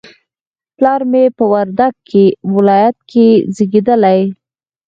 پلار مې په وردګ ولایت کې زیږدلی